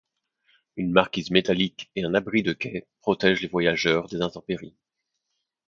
Une marquise métallique et un abri de quai protègent les voyageurs des intempéries.